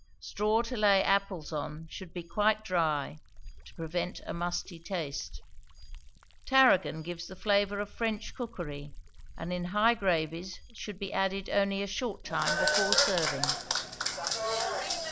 Straw to lay apples on should be quite dry, to prevent a musty taste. Tarragon gives the flavor of French cookery, and in high gravies should be added only a short time before serving.